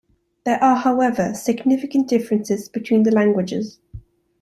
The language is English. There are however significant differences between the languages.